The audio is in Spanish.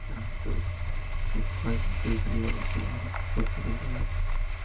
El tránsito esofágico es ayudado por la fuerza de gravedad.